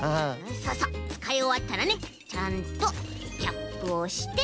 そうそうつかいおわったらねちゃんとキャップをして。